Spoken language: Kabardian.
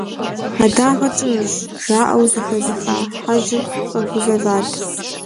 «Хьэдагъэ тщӏынущ» жаӏэу зыхэзыха хьэжьыр къэгузэват.